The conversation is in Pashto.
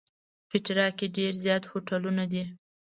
پېټرا کې ډېر زیات هوټلونه دي.